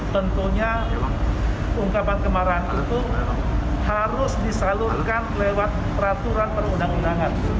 tentunya ungkapan kemarahan itu harus disalurkan lewat peraturan perundang undangan